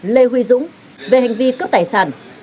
lê huy dũng về hành vi cướp tài sản